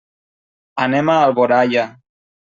Anem a Alboraia.